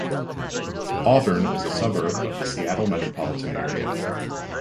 Auburn is a suburb in the Seattle metropolitan area.